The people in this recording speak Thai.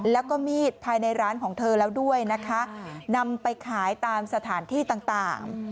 แล้วก็มีดภายในร้านของเธอแล้วด้วยนะคะนำไปขายตามสถานที่ต่าง